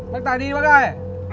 bác tài đi bác ai